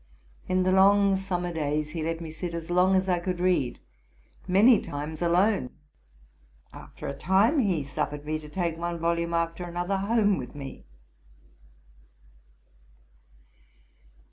In the long summer days he let me sit as long as I could read, many times alone; after a time he suffered me to take one volume after another home with me.